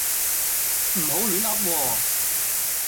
唔好亂噏喎